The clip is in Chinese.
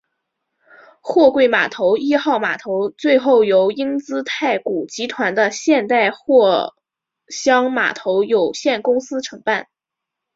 货柜码头一号码头最后由英资太古集团的现代货箱码头有限公司承办。